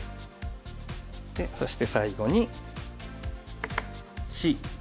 でそして最後にＣ。